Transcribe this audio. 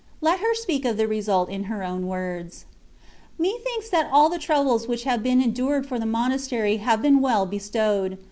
Let her speak of the result in her own words :—" Methinks that all the troubles which have been endured for the monastery have been well bestowed.